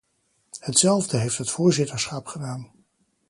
Hetzelfde heeft het voorzitterschap gedaan.